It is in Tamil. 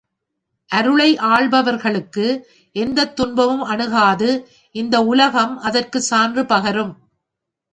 அருளை ஆள்பவர்க்கு எந்தத் துன்பமும் அணுகாது இந்த உலகம் அதற்குச் சான்று பகரும்.